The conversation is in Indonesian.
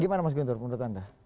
gimana mas guntur menurut anda